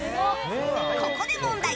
ここで問題。